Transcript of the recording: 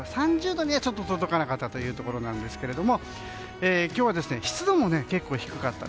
３０度には届かなかったというところですけど今日は湿度も結構、低かった。